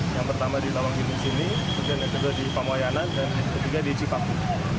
yang pertama di lawanggiling sini kemudian yang kedua di pamoyanan dan ketiga di cipapu